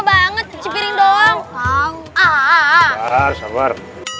banget cipiring dong ah ah ah sabar